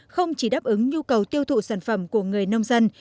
không chỉ đáp ứng nhu cầu tiêu thụ sản phẩm của người nông dân